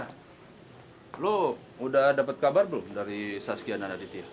pak lo udah dapet kabar belum dari saskia dan aditya